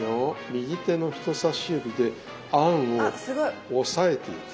右手の人さし指で餡を押さえていく。